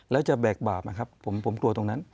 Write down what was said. แล้วจะแบกบาปนะครับผมกลัวตรงนั้น